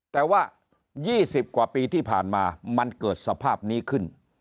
แต่ว่า๒๐กว่าปีที่ผ่านมามันเกิดสภาพนี้ขึ้น